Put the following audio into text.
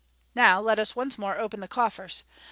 Now let us once more open the coffers.